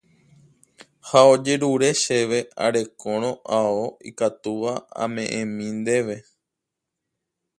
ha ojerure chéve arekórõ ao ikatúva ame'ẽmi ndéve